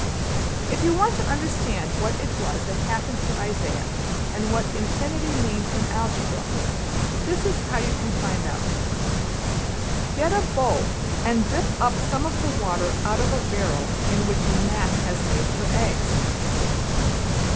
If you want to understand what it was that happened to Isaiah, and what Infinity means in algebra, this is how you can find out. Get a bowl and dip up some of the water out of a barrel in which a gnat has laid her eggs.